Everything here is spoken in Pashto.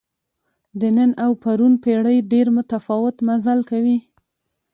د نن او پرون پېړۍ ډېر متفاوت مزل کوي.